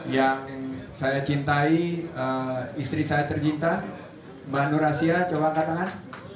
yang saya cintai istri saya tercinta mbak nur asia coba katakan